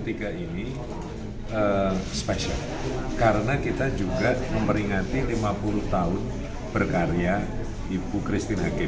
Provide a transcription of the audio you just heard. ketika ini spesial karena kita juga memperingati lima puluh tahun berkarya ibu christine hakim